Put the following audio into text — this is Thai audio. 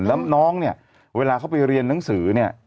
แล้วน้องเนี่ยเวลาเขาไปเรียนหนังสือเนี่ย